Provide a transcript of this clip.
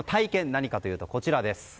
何かというと、こちら。